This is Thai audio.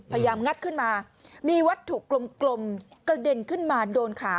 งัดขึ้นมามีวัตถุกลมกระเด็นขึ้นมาโดนขา